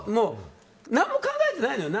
何も考えてないじゃん。